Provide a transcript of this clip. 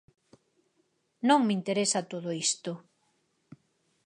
Non me interesa todo isto.